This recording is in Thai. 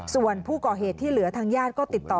ส่วนผู้ก่อเหตุที่เหลือทางญาติก็ติดต่อ